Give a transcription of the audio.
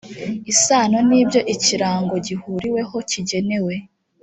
isano n ibyo ikirango gihuriweho kigenewe